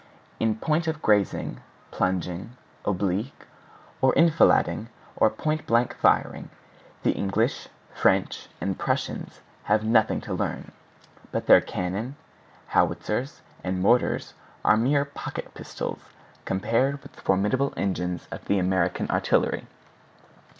In point of grazing, plunging, oblique, or enfilading, or point blank firing, the English, French, and Prussians have nothing to learn; but their cannon, howitzers, and mortars are mere pocket pistols compared with the formidable engines of the American artillery.